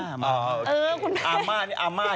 อาม่้อนี่อาม่าอยู่อย่างนี้เฉย